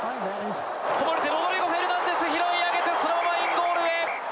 ロドリゴ・フェルナンデス拾い上げて、そのままインゴールへ。